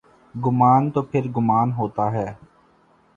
گمان تو پھرگمان ہوتا ہے۔